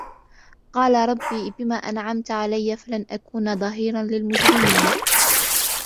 قَالَ رَبِّ بِمَا أَنْعَمْتَ عَلَيَّ فَلَنْ أَكُونَ ظَهِيرًا لِلْمُجْرِمِينَ